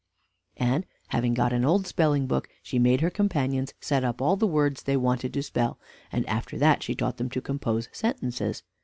And having got an old spelling book, she made her companions set up all the words they wanted to spell, and after that she taught them to compose sentences.